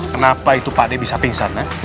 kenapa itu pakde bisa pingsan ya